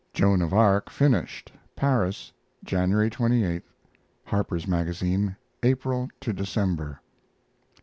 JOAN OF ARC finished (Paris), January 28, Harper's Magazine, April to December.